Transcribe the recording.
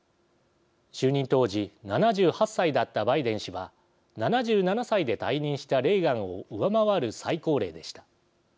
就任当時７８歳だったバイデン氏は７７歳で退任したレーガンを上回る最高齢でした。